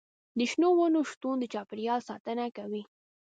د شنو ونو شتون د چاپیریال ساتنه کوي.